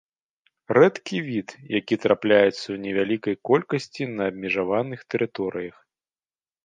Рэдкі від, які трапляецца ў невялікай колькасці на абмежаваных тэрыторыях.